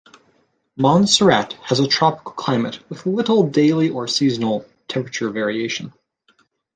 Montserrat has a tropical climate, with little daily or seasonal temperature variation.